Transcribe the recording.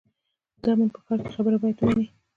د امن په ښار کې خبره باید ومنې.